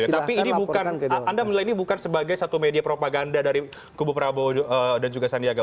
tapi ini bukan anda menilai ini bukan sebagai satu media propaganda dari kubu prabowo dan juga sandiaga